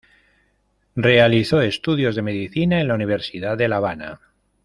Realizó estudios de Medicina en la Universidad de La Habana.